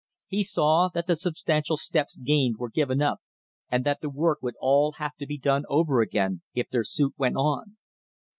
He saw that the substantial steps gained were given up and that the work would all have to be done over again if their suit went on.